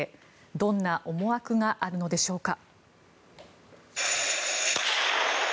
どんな思惑があるのでしょうか。